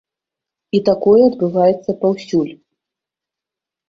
І такое адбываецца паўсюль.